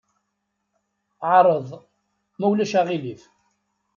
Ɛreḍ, ma ulac aɣilif.